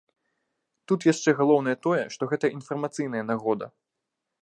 Тут яшчэ галоўнае тое, што гэта інфармацыйная нагода.